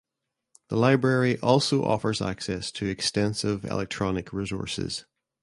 The library also offers access to extensive electronic resources.